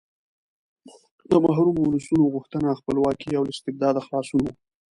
د محرومو ولسونو غوښتنه خپلواکي او له استبداده خلاصون و.